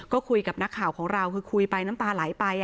ก็คุยกับนักข่าวของเราคือคุยไปน้ำตาไหลไป